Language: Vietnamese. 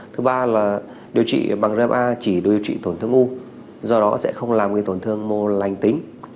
thứ ba là điều trị bằng grep a chỉ đôi trị tổn thương u do đó sẽ không làm người tổn thương mô lành tính